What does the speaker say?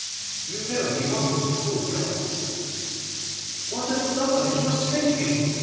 You know he wasn't in full dress.' 'What a duffer he must think me!